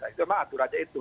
itu memang aturannya itu